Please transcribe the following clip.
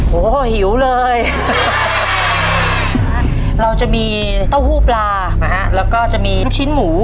โอ้โหหิวเลยเราจะมีเต้าหู้ปลานะฮะแล้วก็จะมีลูกชิ้นหมู